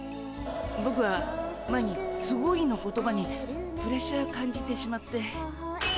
ボクは前に「すごい」の言葉にプレッシャー感じてしまって。